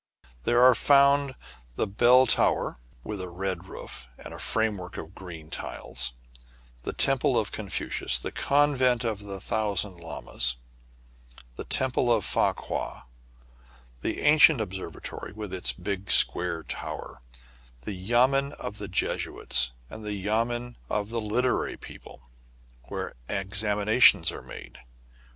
There are found the Bell Tower, with a red roof, in a framework of green tiles ; the Temple of Confucius ; the Convent of the Thousand Lamas ; the Temple of Fa qua; the ancient observatory, with its big square tower ; the yamen of the Jesuits ; and the yamen of the literary people, where ex aminations are made.